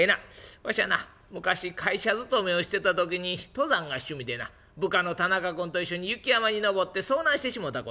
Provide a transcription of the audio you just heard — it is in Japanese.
わしはな昔会社勤めをしてた時に登山が趣味でな部下の田中君と一緒に雪山に登って遭難してしもうたことがあったんじゃ。